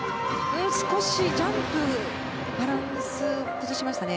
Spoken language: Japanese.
少しジャンプバランス崩しましたね。